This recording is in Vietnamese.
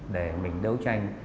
để mình đấu tranh